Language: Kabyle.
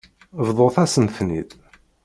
Bḍut-asen-ten-id.